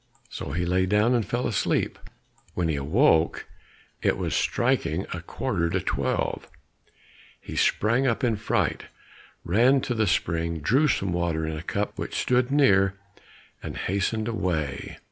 So he lay down and fell asleep. When he awoke, it was striking a quarter to twelve. He sprang up in a fright, ran to the spring, drew some water in a cup which stood near, and hastened away.